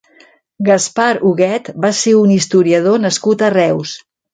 Gaspar Huguet va ser un historiador nascut a Reus.